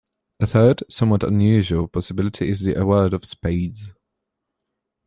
A third, somewhat unusual possibility is the award of "spades".